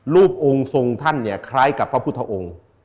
รูปองค์ทรงท่านเนี่ยคล้ายกับพระพุทธองค์